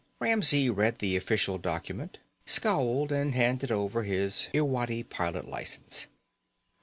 Ramsey read the official document, scowled, and handed over his Irwadi pilot license.